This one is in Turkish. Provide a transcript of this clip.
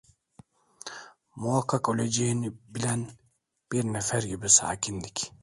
Muhakkak öleceğini bilen bir nefer gibi sakindik.